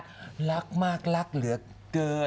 สัมภาษณ์รักเหลือเกิน